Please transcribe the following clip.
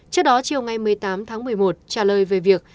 trước đó chiều ngày một mươi tám tháng một mươi một trả lời về việc